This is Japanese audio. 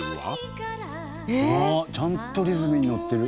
ちゃんとリズムにのってる。